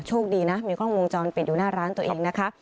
โชคดีนะมีกล้องวงจรปิดอยู่หน้าร้านตัวเองนะคะ